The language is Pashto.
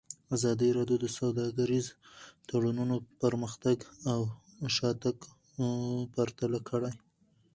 ازادي راډیو د سوداګریز تړونونه پرمختګ او شاتګ پرتله کړی.